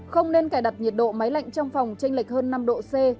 không nên cài đặt nhiệt độ máy lạnh trong phòng tranh lệch hơn năm độ c